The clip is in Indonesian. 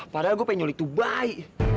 padahal gue pengen nyulik tuh bayi